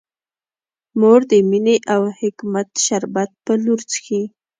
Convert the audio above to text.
مور د مینې او حکمت شربت په لور څښي.